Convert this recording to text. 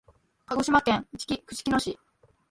鹿児島県いちき串木野市